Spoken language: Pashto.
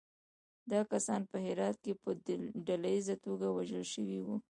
دا کسان په هرات کې په ډلییزه توګه وژل شوي وو.